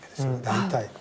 大体。